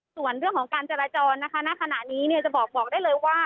ส่วนเรื่องของการจราจรนะคะณขณะนี้เนี่ยจะบอกได้เลยว่า